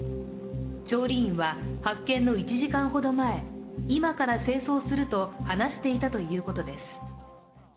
調理員は、発見の１時間ほど前、今から清掃すると話していたということです。